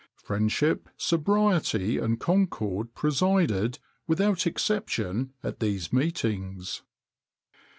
[XXIX 84] Friendship, sobriety, and concord presided, without exception, at these meetings.